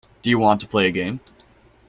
Do you want to play a game.